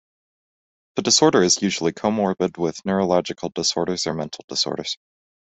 The disorder is usually comorbid with neurological disorders or mental disorders.